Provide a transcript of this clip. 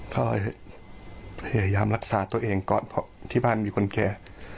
ก็พยายามรักษาตัวเองก่อนเพราะที่บ้านมีคนแก่